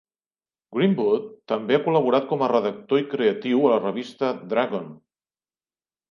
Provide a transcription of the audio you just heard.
Greenwood també ha col·laborat com a redactor i creatiu a la revista "Dragon".